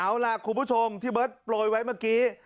เอาล่ะคุณผู้ชมที่เบิร์ตโปรยไว้เมื่อกี้